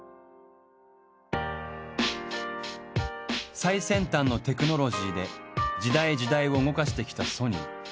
最先端のテクノロジーで時代時代を動かしてきたソニー。